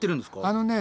あのね